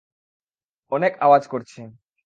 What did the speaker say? অনেক আওয়াজ করছে।